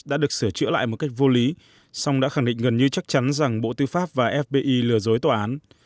đã được sửa chữa lại một cách vô lý song đã khẳng định gần như chắc chắn rằng bộ tư pháp và fbi lừa dối tòa án